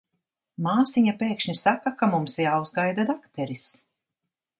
Māsiņa pēkšņi saka, ka mums jāuzgaida dakteris.